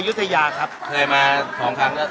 แม่กินจะขนาดนี้แม่